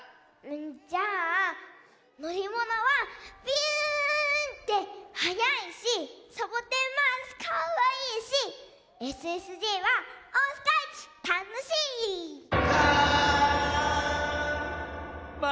じゃあのりものはピューンってはやいしサボテンマウスかわいいしＳＳＪはおおさかいちたのしい！ガーン！